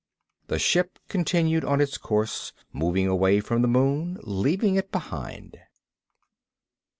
The ship continued on its course, moving away from the moon, leaving it behind.